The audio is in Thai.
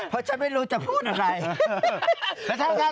เพราะฉันไม่รู้จะพูดอะไร